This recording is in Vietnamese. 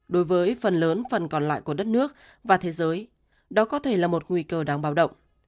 đối với phần lớn phần còn lại của đất nước và thế giới đó có thể là một nguy cơ đáng báo động